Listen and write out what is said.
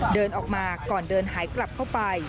เดินออกมาก่อนเดินหายกลับเข้าไป